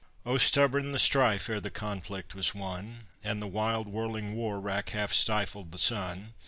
Oh, stubborn the strife ere the conflict was won! And the wild whirling war wrack half stifled the sun.